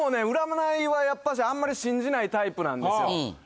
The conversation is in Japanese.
占いはやっぱしあんまり信じないタイプなんですよ。